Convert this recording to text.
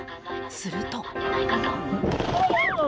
すると。